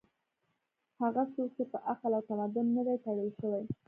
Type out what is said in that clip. هغه څوک چې په عقل او تمدن نه دي تړل شوي